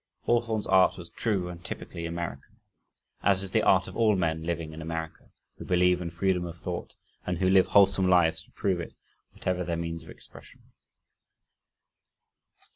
Hawthorne's art was true and typically American as is the art of all men living in America who believe in freedom of thought and who live wholesome lives to prove it, whatever their means of expression.